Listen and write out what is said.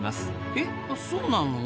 えっそうなの？